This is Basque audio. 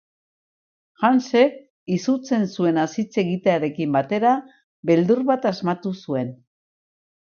Hansek, izutzen zuenaz hitz egitearekin batera, beldur bat asmatu zuen.